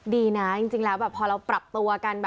ดีนะจริงแล้วแบบพอเราปรับตัวกัน